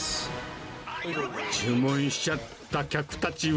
注文しちゃった客たちは。